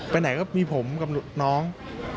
ไปไหนก็มีผมกับน้อง